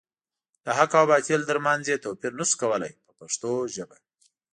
د حق او باطل تر منځ یې توپیر نشو کولای په پښتو ژبه.